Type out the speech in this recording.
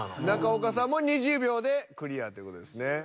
中岡さんも２０秒でクリアという事ですね。